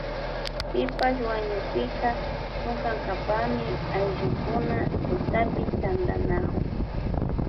Pipash wañukpika chunkankapami ayllukuna tutapi tantanakun